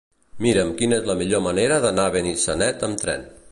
Mira'm quina és la millor manera d'anar a Benissanet amb tren.